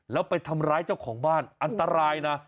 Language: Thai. แล้วไปทำร้ายเจ้าของบ้านอันตรายนะ